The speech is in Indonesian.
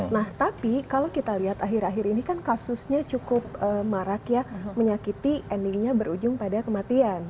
nah tapi kalau kita lihat akhir akhir ini kan kasusnya cukup marak ya menyakiti endingnya berujung pada kematian